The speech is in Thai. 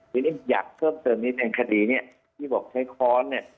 อย่างนี้อยากเพิ่มเติมนี้เป็นคดีเนี้ยที่บอกใช้ค้อนเนี้ย